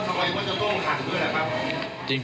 แล้วทำไมเขาจะโตขัดด้วยล่ะครับ